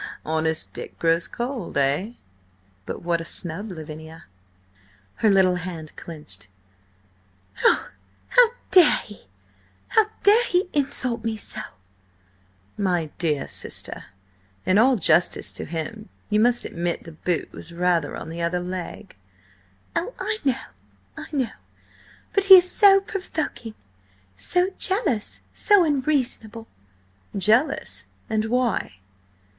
"Honest Dick grows cold, eh? But what a snub, Lavinia!" Her little hand clenched. "Oh, how dare he! How dare he insult me so?" "My dear sister, in all justice to him, you must admit the boot was rather on the other leg." "Oh, I know–I know! But he is so provoking!–so jealous!–so unreasonable!" "Jealous? And why?"